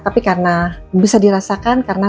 tapi karena bisa dirasakan karena